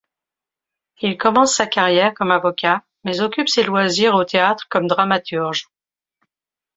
Il commence sa carrière comme avocat, mais occupe ses loisirs au théâtre comme dramaturge.